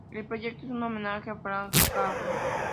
El proyecto es un homenaje a Franz Kafka.